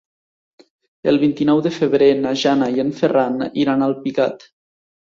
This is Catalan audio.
El vint-i-nou de febrer na Jana i en Ferran iran a Alpicat.